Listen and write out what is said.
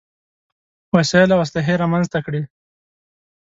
وسايل او اسلحې رامنځته کړې.